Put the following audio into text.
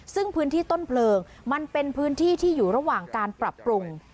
ซึ่งพื้นที่ต้นเพลิงมันเป็นพื้นที่ที่อยู่ระหว่างการปรับปรุง